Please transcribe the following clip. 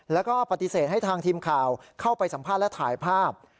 แล้วก็ปฏิเสธให้ทางทีมข่าวเข้าไปสัมภาษณ์และถ่ายภาพ